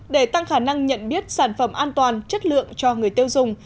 để tăng khả năng nhận biết sản phẩm an toàn chất lượng cho người tiêu dùng